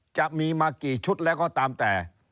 จะมีมากี่ชุดแล้วก็ตามแต่